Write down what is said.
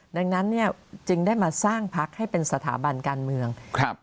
ดังนั้นเนี่ยจึงได้มาสร้างพักให้เป็นสถาบันการเมืองครับ